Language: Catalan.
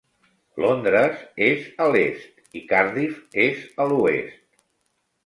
Londres és a l"est i Cardiff és a l"oest.